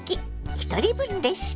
ひとり分レシピ」。